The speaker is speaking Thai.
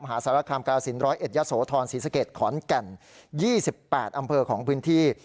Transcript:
หาศาลกราศิษย์๑๐๑ยศฑรศรีศเกจขอนแก่น๒๘อำเภอของพื้นที่